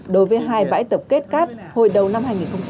đối với hai bãi tập kết cát hồi đầu năm hai nghìn hai mươi hai